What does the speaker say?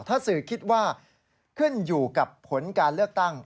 ถ้าสื่อคิดว่าขึ้นอยู่กับผลการเลือกตั้ง